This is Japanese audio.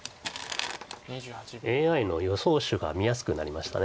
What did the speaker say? ＡＩの予想手が見やすくなりましたね。